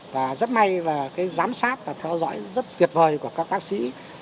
và rất may là cái giám sát và theo dõi rất tuyệt vời của các bác sĩ